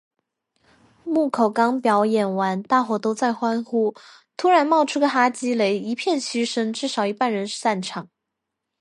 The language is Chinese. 木口刚表演完大伙都在欢呼，突然冒出个哈基雷，一片嘘声，至少一半人散场